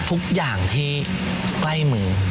ทุกอย่างที่ใกล้มือ